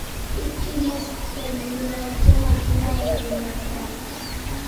ئىككى مەست تەلۋىلەرچە ماشىنا ھەيدىمەكتە.